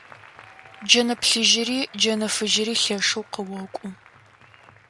Джэнэ плъыжьыри джэнэ фыжьыри лъэшэу къыокӀу.